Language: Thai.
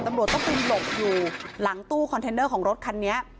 ตำรวจต้องไปหลบอยู่หลังตู้คอนเทนเนอร์ของรถคันนี้